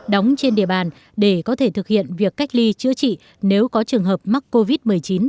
đóng trên địa bàn để có thể thực hiện việc cách ly chữa trị nếu có trường hợp mắc covid một mươi chín